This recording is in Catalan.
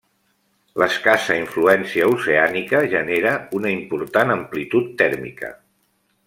L'escassa influència oceànica genera una important amplitud tèrmica.